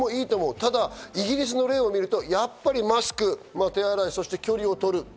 ただイギリスの例を見ると、やっぱりマスク、手洗い、距離をとる。